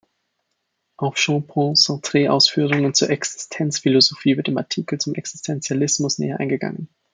Auf Jean-Paul Sartres Ausführungen zur Existenzphilosophie wird im Artikel zum Existentialismus näher eingegangen.